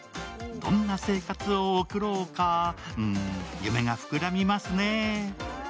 どんな生活を送ろうか、うーん夢が膨らみますね。